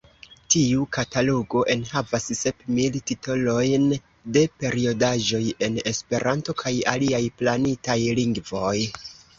Tiu katalogo enhavas sep mil titolojn de periodaĵoj en Esperanto kaj aliaj planitaj lingvoj.